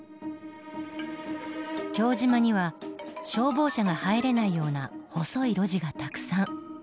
京島には消防車が入れないような細い路地がたくさん。